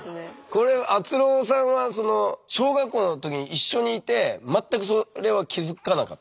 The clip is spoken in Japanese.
これあつろーさんは小学校の時に一緒にいて全くそれは気付かなかった？